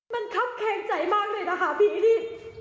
มันครับแคงใจมากเลยนะคะพี่นี่